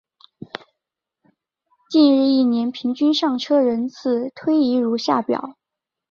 近年一日平均上车人次推移如下表。